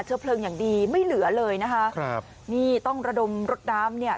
เพลิงอย่างดีไม่เหลือเลยนะคะครับนี่ต้องระดมรถน้ำเนี่ย